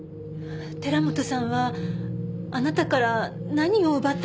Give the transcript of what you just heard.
寺本さんはあなたから何を奪ったの？